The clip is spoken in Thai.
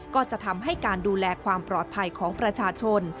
ก็จะทำให้การดูแลความปลอดภัยของประชาชน